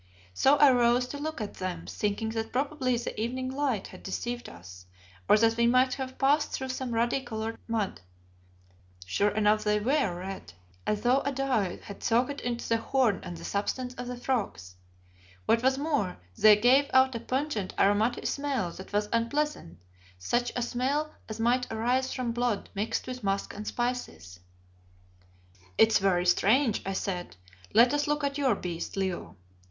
So I rose to look at them, thinking that probably the evening light had deceived us, or that we might have passed through some ruddy coloured mud. Sure enough they were red, as though a dye had soaked into the horn and the substance of the frogs. What was more, they gave out a pungent, aromatic smell that was unpleasant, such a smell as might arise from blood mixed with musk and spices. "It is very strange," I said. "Let us look at your beast, Leo."